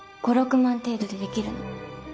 ５万６万程度でできるの。